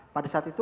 pada saat itu